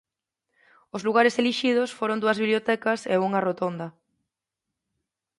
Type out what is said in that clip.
Os lugares elixidos foron dúas bibliotecas e unha rotonda.